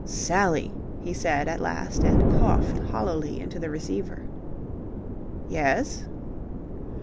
"Sally," he said at last, and coughed hollowly into the receiver. "Yes."